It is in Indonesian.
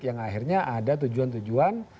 yang akhirnya ada tujuan tujuan